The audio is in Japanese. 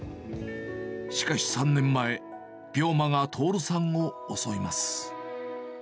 しかし３年前、病魔がとおるさんを襲います。